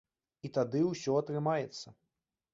І тады ўсё атрымаецца.